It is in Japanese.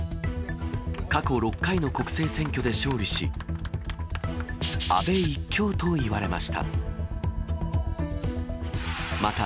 過去６回の国政選挙で勝利し、安倍一強といわれました。